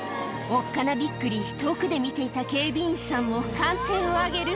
おっかなびっくり遠くで見ていた警備員さんも、歓声を上げる。